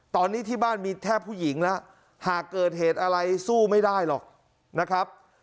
ตอนนี้ที่บ้านมีแทบผู้หญิงแล้วหากเกิดเหตุอะไรสู้ไม่ได้หรอกนะครับ